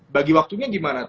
bagi waktunya gimana